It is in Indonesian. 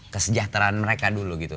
kesejahteraan mereka dulu